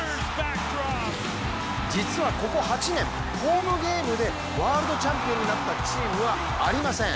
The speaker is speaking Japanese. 実はここ８年、ホームゲームでワールドチャンピオンになったチームはありません。